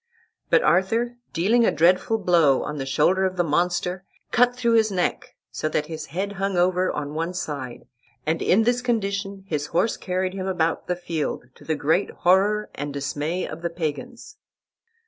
But Arthur, dealing a dreadful blow on the shoulder of the monster, cut through his neck so that his head hung over on one side, and in this condition his horse carried him about the field, to the great horror and dismay of the Pagans.